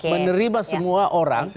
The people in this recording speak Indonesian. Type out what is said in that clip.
menerima semua orang